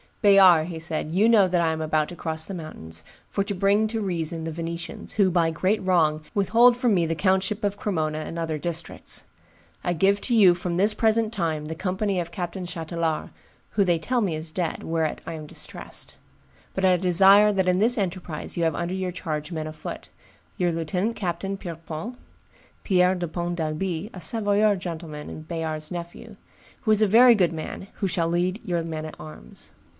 "Bayard," said he, "you know that I am about to cross the mountains, for to bring to reason the Venetians, who by great wrong withhold from me the countship of Cremona and other districts. I give to you from this present time the company of Captain Chatelard, who they tell me is dead, whereat I am distressed; but I desire that in this enterprise you have under your charge men afoot; your lieutenant captain, Pierrepont [Pierre de Pont d'Albi, a Savoyard gentle man, and Bayard's nephew], who is a very good man, shall lead your men at arms."